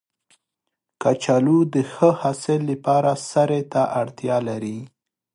کچالو د ښه حاصل لپاره سرې ته اړتیا لري